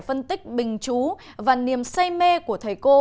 phân tích bình chú và niềm say mê của thầy cô